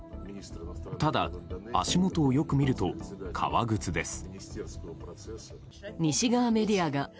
ただ足元をよく見ると革靴です。